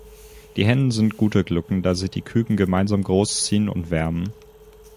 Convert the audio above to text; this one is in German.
Die Hennen sind gute Glucken, da sie die Küken gemeinsam großziehen und wärmen.